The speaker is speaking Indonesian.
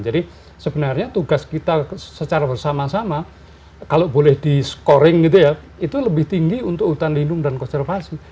jadi sebenarnya tugas kita secara bersama sama kalau boleh di scoring gitu ya itu lebih tinggi untuk hutan lindung dan konservasi